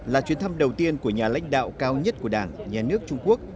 là chuyến thăm đầu tiên của nhà lãnh đạo cao nhất của đảng nhà nước trung quốc